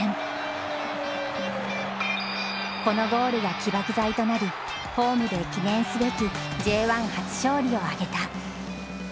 このゴールが起爆剤となりホームで記念すべきＪ１初勝利を挙げた。